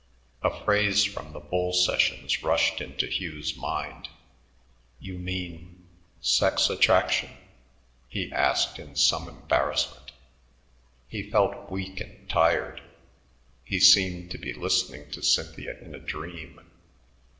A phrase from the bull sessions rushed into Hugh's mind. "You mean sex attraction?" he asked in some embarrassment. He felt weak and tired. He seemed to be listening to Cynthia in a dream.